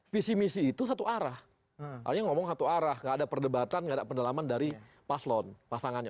visi misi itu satu arah artinya ngomong satu arah gak ada perdebatan gak ada pendalaman dari paslon pasangannya